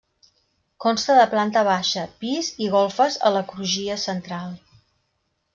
Consta de planta baixa, pis i golfes a la crugia central.